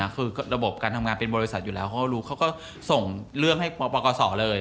คือระบบการทำงานเป็นบริษัทอยู่แล้วเขาก็รู้เขาก็ส่งเรื่องให้ปปกศเลย